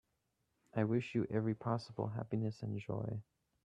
I wish you every possible happiness and joy.